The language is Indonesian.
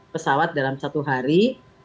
pesawat dalam satu hari